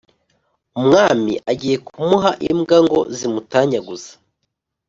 umwami agiye kumuha imbwa ngo zimutanyaguze,